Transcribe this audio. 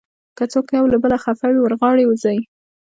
که څوک یو له بله خفه وي، ور غاړې وځئ.